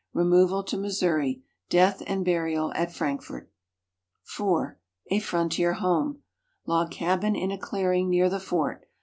Removal to Missouri. Death and burial at Frankfort. 4. A Frontier Home Log cabin in a clearing near the fort.